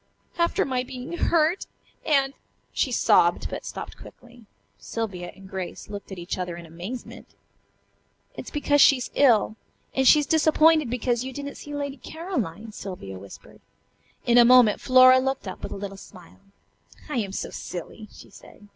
"After my being hurt, and " she sobbed, but stopped quickly. Sylvia and Grace looked at each other in amazement. "It's because she is ill. And she's disappointed because you didn't see Lady Caroline," Sylvia whispered. In a moment Flora looked up with a little smile. "I am so silly," she said.